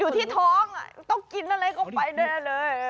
อยู่ที่ท้องต้องกินอะไรก็ไปแน่เลย